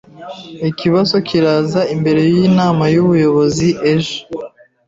Ikibazo kiraza imbere yinama yubuyobozi ejo.